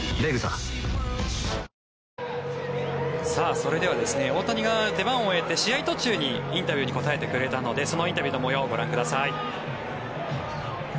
それでは大谷が出番を終えて試合途中にインタビューに答えてくれたのでそのインタビューの模様をご覧ください。